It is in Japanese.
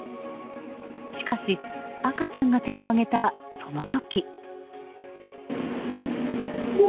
しかし赤ちゃんが手を上げたその時。